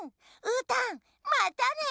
うーたんまたね。